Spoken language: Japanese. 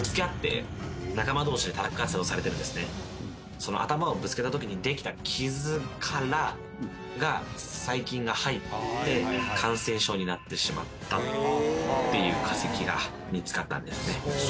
その頭をぶつけた時にできた傷から細菌が入って感染症になってしまったっていう化石が見つかったんですね。